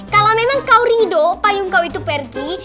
kalau memang kau ridho payung kau itu pergi